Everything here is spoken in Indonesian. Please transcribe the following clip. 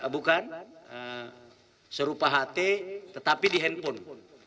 bukan serupa ht tetapi di handphone